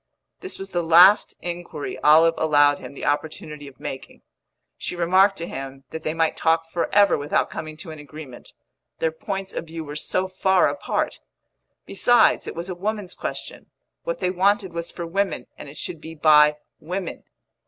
This was the last inquiry Olive allowed him the opportunity of making. She remarked to him that they might talk for ever without coming to an agreement their points of view were so far apart. Besides, it was a woman's question; what they wanted was for women, and it should be by women.